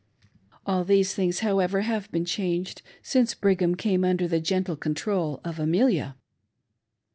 All these thitigs, however, have been changed since Brigham came under the gentle control of Amelia.